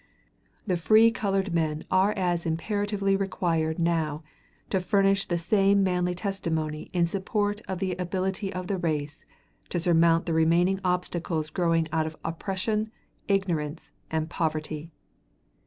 The free colored men are as imperatively required now to furnish the same manly testimony in support of the ability of the race to surmount the remaining obstacles growing out of oppression, ignorance, and poverty.